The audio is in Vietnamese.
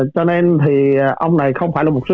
cho nên thì ông này không phải là mục sư